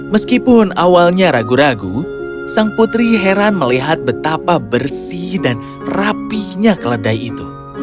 meskipun awalnya ragu ragu sang putri heran melihat betapa bersih dan rapihnya keledai itu